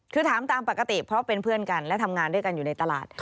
คือถามตามปกติเพราะเป็นเพื่อนกันและทำงานด้วยกันอยู่ในตลาด